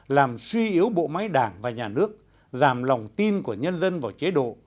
làm suy yếu bộ máy đảng và nhà nước giảm lòng tin của nhân dân vào chế độ